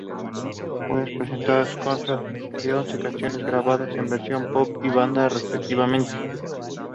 Joyas Prestadas consta de once canciones grabadas en versión pop y banda respectivamente.